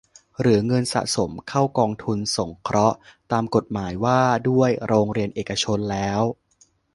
หรือเงินสะสมเข้ากองทุนสงเคราะห์ตามกฎหมายว่าด้วยโรงเรียนเอกชนแล้ว